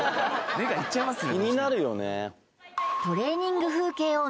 目がいっちゃいますね